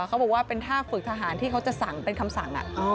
เขาบอกว่าเป็นท่าฝึกทหารที่เขาจะสั่งเป็นคำสั่ง